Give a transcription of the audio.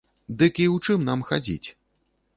Дык і ў чым нам хадзіць?